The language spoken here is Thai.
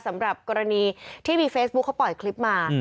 สำหรับกรณีที่มีเฟซบุ๊คเขาปล่อยคลิปมา